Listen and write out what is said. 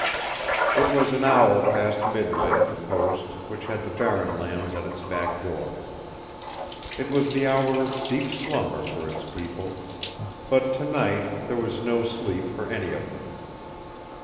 It was an hour past midnight at the post, which had the Barren Lands at its back door. It was the hour of deep slumber for its people; but to night there was no sleep for any of them.